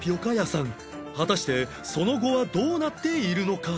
果たしてその後はどうなっているのか？